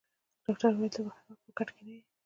ډاکټر وویل: ته به هر وخت په کټ کې نه یې.